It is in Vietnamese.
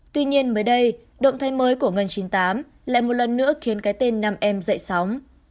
tuy nhiên mới đây động thái mới của ngành chín mươi tám lại một lần nữa khiến cái tên nam em dậy sóng